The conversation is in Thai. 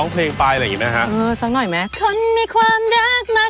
เขากริ๊บเลย